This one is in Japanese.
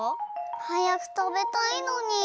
はやくたべたいのに！